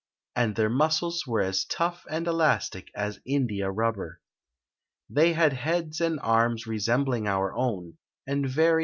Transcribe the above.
And their muscles were as tough and elastic as india rub ber. Th had heads and arms resembling our own, and very